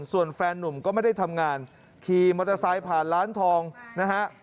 ส่วนแฟนนุ่มก็ไม่ได้ทำงานขี่มอเตอร์ไซค์ผ่านร้านทองนะฮะ